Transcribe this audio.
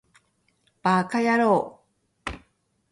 ヴぁかやろう